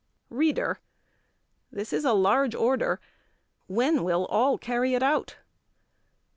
READER: This is a large order. When will all carry it out?